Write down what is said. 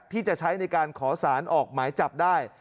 ที่จะใช้ในการขอสารออกหมายจับได้